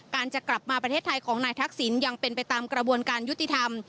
จะกลับมาประเทศไทยของนายทักษิณยังเป็นไปตามกระบวนการยุติธรรม